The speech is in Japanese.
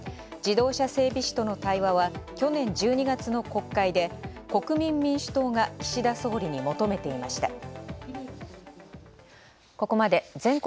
自動車整備士との対話は、去年１２月の国会で国民民主党が岸田総理に求めていました。